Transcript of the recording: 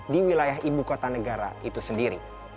di wilayah ibu kota negara itu sendiri